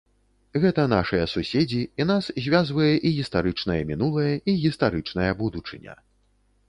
Гэта нашыя суседзі, і нас звязвае і гістарычнае мінулае, і гістарычная будучыня.